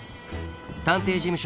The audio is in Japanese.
探偵事務所